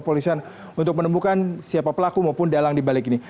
kepolisian untuk menemukan siapa pelaku maupun dalang di balik ini